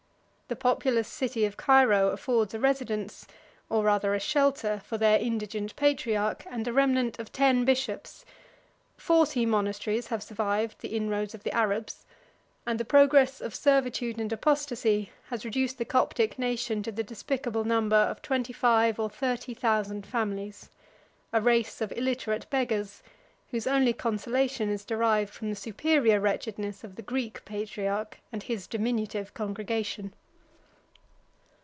The populous city of Cairo affords a residence, or rather a shelter, for their indigent patriarch, and a remnant of ten bishops; forty monasteries have survived the inroads of the Arabs; and the progress of servitude and apostasy has reduced the Coptic nation to the despicable number of twenty five or thirty thousand families; 148 a race of illiterate beggars, whose only consolation is derived from the superior wretchedness of the Greek patriarch and his diminutive congregation.